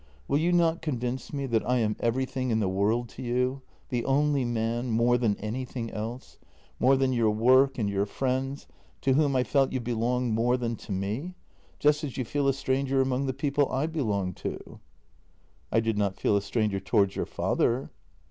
Will you not convince me that I am everything in the world to you, the only man, more than anything else? — more than your work and your friends, to whom I felt you belonged more than to me — just as you feel a stranger among the people I belong to." " I did not feel a stranger towards your father."